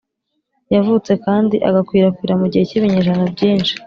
yavutse kandi agakwirakwira mu gihe cy’ibinyejana byinshi,